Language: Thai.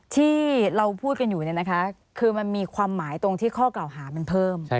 ที่เราพูดกันอยู่คือมันมีความหมายตรงที่ข้อกล่าวหามันเพิ่ม